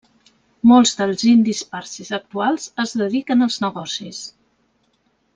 Molts dels indis parsis actuals es dediquen als negocis.